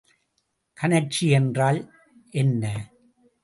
கனற்சி என்றால் என்ன?